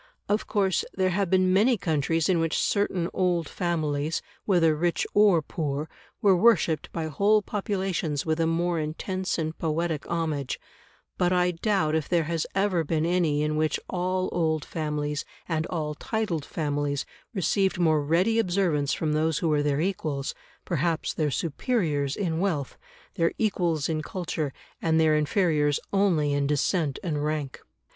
Of course there have been many countries in which certain old families, whether rich or poor, were worshipped by whole populations with a more intense and poetic homage; but I doubt if there has ever been any in which all old families and all titled families received more ready observance from those who were their equals, perhaps their superiors, in wealth, their equals in culture, and their inferiors only in descent and rank.